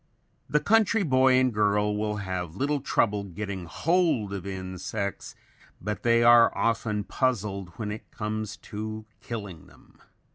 ] The country boy and girl will have little trouble getting hold of insects, but they are often puzzled when it comes to killing them.